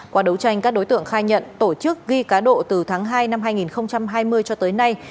qua đấu tranh các đối tượng khai nhận tổ chức ghi cá độ từ tháng hai năm hai nghìn hai mươi cho tới nay